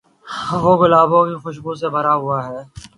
وہ گلابوں کی خوشبو سے بھرا ہوا ہے۔